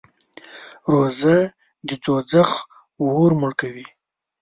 روژه د دوزخ اور مړ کوي.